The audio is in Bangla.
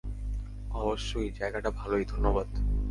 অবশ্যই - জায়গাটা ভালোই - ধন্যবাদ।